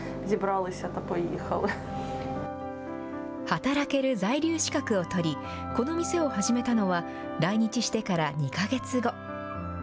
働ける在留資格を取り、この店を始めたのは、来日してから２か月後。